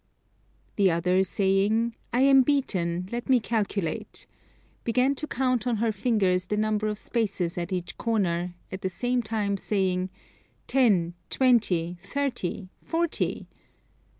The other saying, "I am beaten; let me calculate," began to count on her fingers the number of spaces at each corner, at the same time saying "Ten! twenty! thirty! forty!"